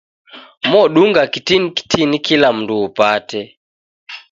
modunga kitini kitini kila mundu upate.